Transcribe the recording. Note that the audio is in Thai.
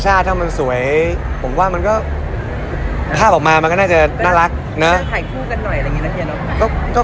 จะถ่ายคู่กันหน่อยอะไรอย่างงี้หรือเปล่า